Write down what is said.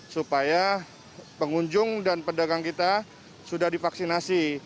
supaya pengunjung dan pedagang kita sudah divaksinasi